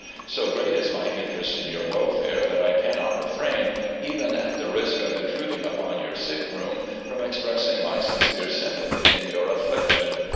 So great is my interest in your welfare that I cannot refrain, even at the risk of intruding upon your sickroom, from expressing my sincere sympathy in your afiSiction.